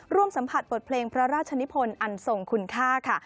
ร่วมสัมผัสบทเพลงพระราชนิพลอันส่งคุณค่า